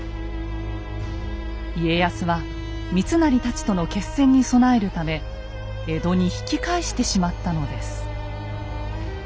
家康は三成たちとの決戦に備えるため江戸に引き返してしまったのです。